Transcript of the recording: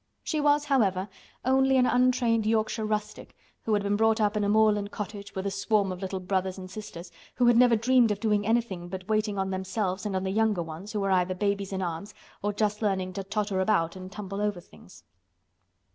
She was, however, only an untrained Yorkshire rustic who had been brought up in a moorland cottage with a swarm of little brothers and sisters who had never dreamed of doing anything but waiting on themselves and on the younger ones who were either babies in arms or just learning to totter about and tumble over things.